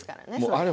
あれ